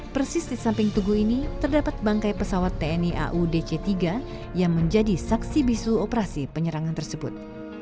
persis di samping tugu ini terdapat bangkai pesawat tni au dc tiga yang menjadi saksi bisu operasi penyerangan tersebut